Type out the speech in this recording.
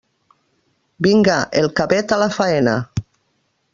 Vinga, el cabet a la faena!